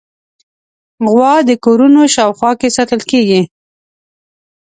غوا د کورونو شاوخوا کې ساتل کېږي.